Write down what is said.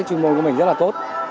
chuyên môn của mình rất là tốt